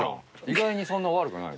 意外にそんな悪くない。